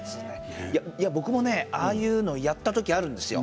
僕もああいうのをやった時あるんですよ。